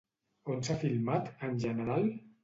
On s'ha filmat, en general?